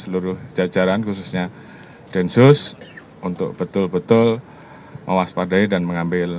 laporan komandan ap